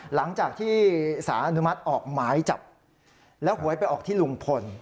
หลังจากที่สารอนุมัติออกหมายจับแล้วหวยไปออกที่ลุงพล